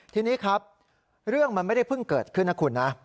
ทีนี้ครับเรื่องมันไม่ได้เพิ่งเกิดขึ้นนะคุณนะ